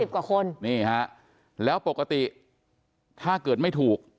กว่าคนนี่ฮะแล้วปกติถ้าเกิดไม่ถูก